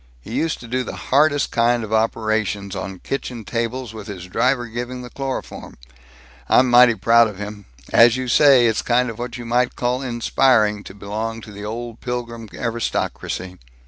He used to do the hardest kind of operations, on kitchen tables, with his driver giving the chloroform. I'm mighty proud of him. As you say, it's kind of what you might call inspiring to belong to the old Pilgrim aristocracy."